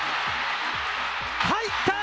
入った！